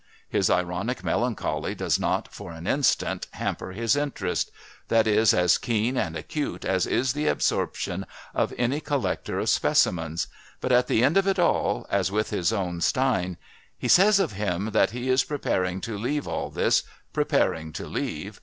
His ironic melancholy does not, for an instant, hamper his interest that is as keen and acute as is the absorption of any collector of specimens but at the end of it all, as with his own Stein: "He says of him that he is 'preparing to leave all this: preparing to leave